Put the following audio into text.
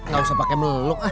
gak usah pakai meluk ah